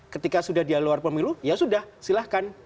ketika sudah dia luar pemilu ya sudah silahkan